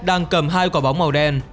đang cầm hai quả bóng màu đen